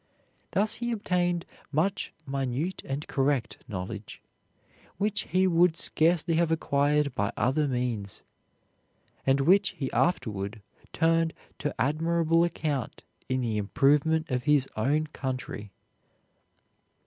Thus he obtained much minute and correct knowledge, which he would scarcely have acquired by other means, and which he afterward turned to admirable account in the improvement of his own country.